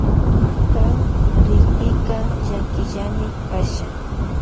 Kan rikpika llakillami kasha.